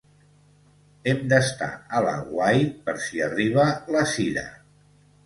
Hem d'estar a l'aguait per si arriba la Sira.